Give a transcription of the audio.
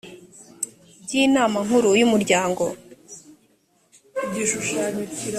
by inama nkuru y umuryango